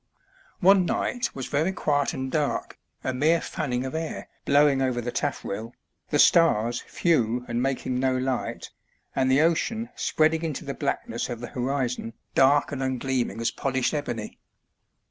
One night was very quiet and dark, a mere fanning of air blowing over the taff rail, the stars few and making no light, and the ocean spreading into the black* 288 A LUMINOUS SAILOR. ness of the horizon dark and ungleaming as polished ebony.